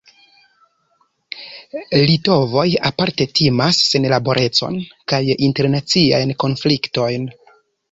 Litovoj aparte timas senlaborecon kaj internaciajn konfliktojn.